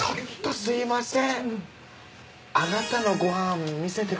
すみません